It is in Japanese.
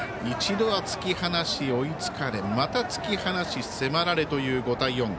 一度は突き放し追いつかれ、また突き放し迫られという５対４。